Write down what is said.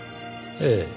ええ。